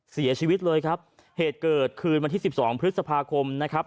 เสียชีวิตเลยครับเหตุเกิดคืนวันที่สิบสองพฤษภาคมนะครับ